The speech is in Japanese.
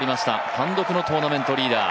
単独のトーナメントリーダー。